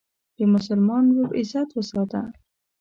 د مسلمان ورور عزت وساته.